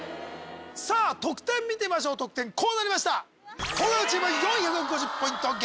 さあ得点見てみましょう得点こうなりました東大王チームが４５０ポイント